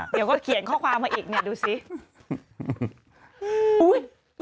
เดี๋ยวก็เขียนข้อความมาอีกเนี่ยดูสิ